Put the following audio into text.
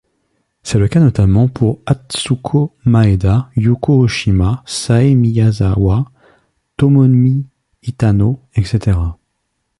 C'est le cas notamment pour Atsuko Maeda, Yuko Oshima, Sae Miyazawa, Tomomi Itano, etc.